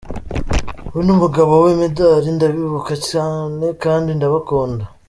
We n’umugabo we Médard ndabibuka cyane kandi ndabakunda.